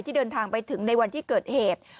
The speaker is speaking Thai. เดินทางไปถึงในวันที่เกิดเหตุ